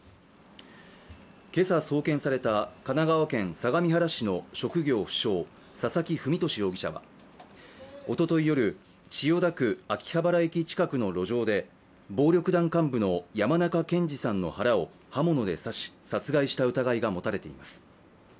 今朝送検された神奈川県相模原市の職業不詳・佐々木文俊容疑者は、おととい夜、千代田区秋葉原駅近くの路上で、暴力団幹部の山中健司さんの腹を刃物で刺し殺害した疑いが持たれています。